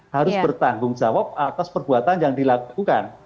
harus bertanggung jawab atas perbuatan yang dilakukan